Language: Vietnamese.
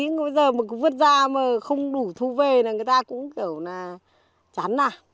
bây giờ mà vứt ra mà không đủ thu về là người ta cũng kiểu là chán à